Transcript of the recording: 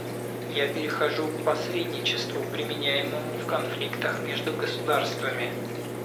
Я перехожу к посредничеству, применяемому в конфликтах между государствами.